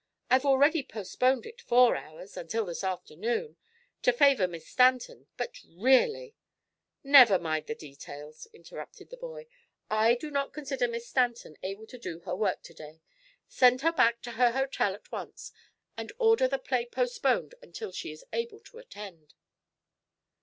I've already postponed it four hours until this afternoon to favor Miss Stanton, but, really " "Never mind the details," interrupted the boy. "I do not consider Miss Stanton able to do her work to day. Send her back to her hotel at once and order the play postponed until she is able to attend."